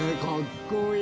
かっこいい。